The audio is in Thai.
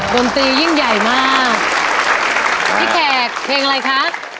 ดนตรียิ่งใหญ่มากพี่แขกเพลงอะไรครับ